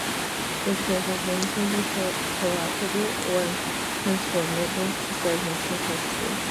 For example, rooms may be collapsible or transformable to serve multiple purposes.